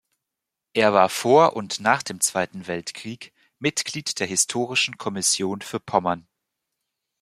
Er war vor und nach dem Zweiten Weltkrieg Mitglied der Historischen Kommission für Pommern.